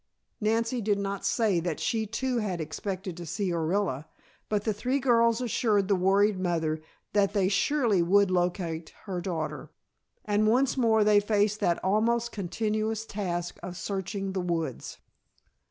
Nancy did not say that she too had expected to see Orilla, but the three girls assured the worried mother that they surely would locate her daughter, and once more they faced that almost continuous task of searching the woods.